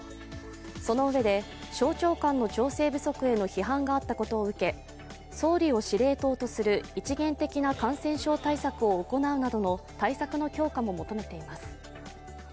そのうえで、省庁間の調整不足への批判があったことを受け総理を司令塔とする一元的な感染症対策を行うなどの対策の強化も求めています。